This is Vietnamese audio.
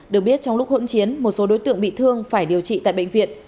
được biết trong lúc hỗn chiến một số đối tượng bị thương phải điều trị tại bệnh viện